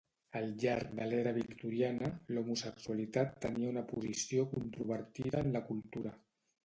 Al llarg de l'era victoriana, l'homosexualitat tenia una posició controvertida en la cultura.